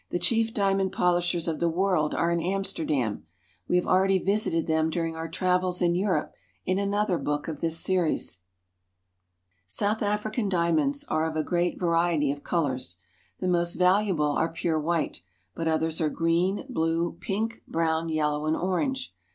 chief diamond polishers of the world are in Amsterdam ; we have already visited them during our travels in Europe, in another book of this series. South African diamonds are of a great variety of colors. The most valuable are pure white, but others are green, blue, pink, brown, yellow, and orange.